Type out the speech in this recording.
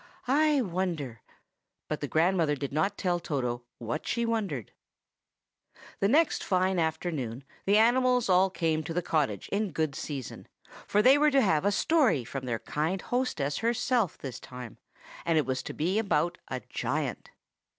I wonder—" But the grandmother did not tell Toto what she wondered. The next fine afternoon, the animals all came to the cottage in good season, for they were to have a story from their kind hostess herself this time, and it was to be about a giant.